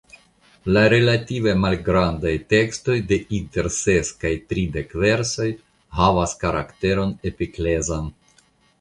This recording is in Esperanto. La relative malgrandaj tekstoj de inter ses kaj tridek versoj havas karakteron epiklezan.